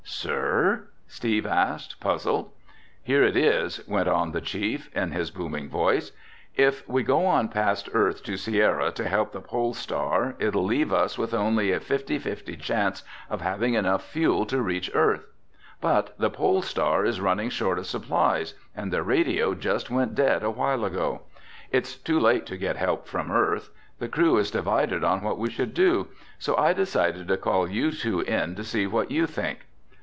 "Sir?" Steve asked, puzzled. "Here it is," went on the chief, in his booming voice. "If we go on past Earth to Sierra to help the Pole Star, it'll leave us with only a fifty fifty chance of having enough fuel to reach Earth. But the Pole Star is running short of supplies and their radio just went dead a while ago. It's too late to get help from Earth. The crew is divided on what we should do, so I decided to call you two in to see what you think."